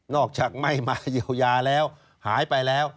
อกจากไม่มาเยียวยาแล้วหายไปแล้ว